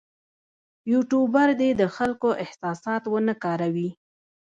یوټوبر دې د خلکو احساسات ونه کاروي.